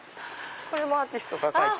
これもアーティストが描いた。